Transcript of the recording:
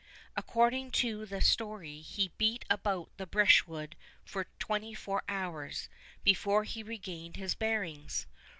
According to the story, he beat about the brushwood for twenty four hours before he regained his bearings.